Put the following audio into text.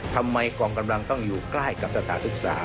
ทำไมกองกำลังต้องอยู่ใกล้กับสถานศึกษา